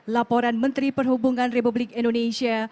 laporan menteri perhubungan republik indonesia